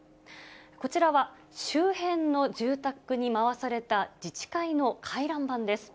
こちらは、周辺の住宅に回された自治会の回覧板です。